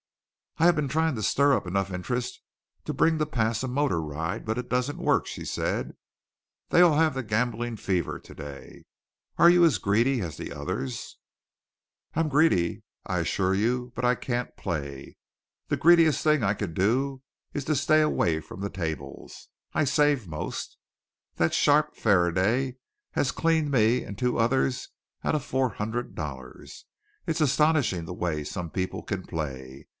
"I have been trying to stir up enough interest to bring to pass a motor ride, but it doesn't work," she said. "They all have the gambling fever today. Are you as greedy as the others?" "I'm greedy I assure you, but I can't play. The greediest thing I can do is to stay away from the tables. I save most. That sharp Faraday has cleaned me and two others out of four hundred dollars. It's astonishing the way some people can play.